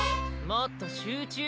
もっとしゅうちゅう！